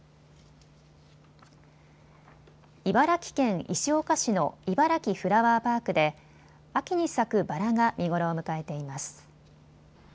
茨城県石岡市のいばらきフラワーパークで秋に咲くバラが見頃を迎えています。